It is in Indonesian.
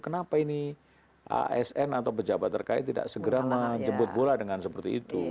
kenapa ini asn atau pejabat terkait tidak segera menjemput bola dengan seperti itu